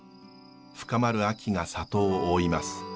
深まる秋が里を覆います。